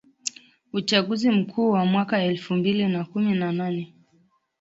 uchaguzi mkuu wa mwaka elfu mbili na kumi na nane